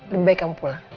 lebih baik kamu pulang